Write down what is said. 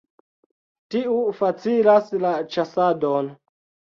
Tiu facilas la ĉasadon.